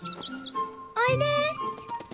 おいで。